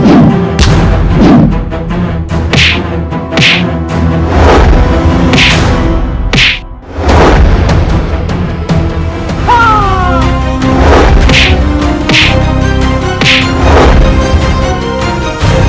ibu nang akan selamatkan ibu